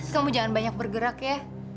kamu jangan banyak bergerak ya